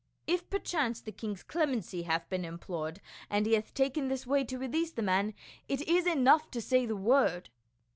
If perchance the king's clemency hath been implored, and he hath taken this way to release the man, it is enough to say the word."